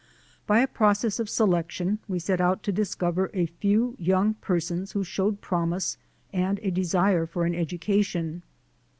By a process of selection, we set out to discover a few young persons who showed promise and a desire for an education.